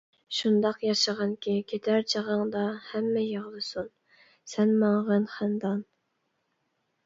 شۇنداق ياشىغىنكى كېتەر چېغىڭدا، ھەممە يىغلىسۇن سەن ماڭغىن خەندان!